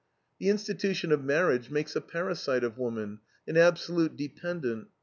The institution of marriage makes a parasite of woman, an absolute dependent.